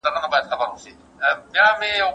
څوک غواړي چي په دې برخه کي کار وکړي؟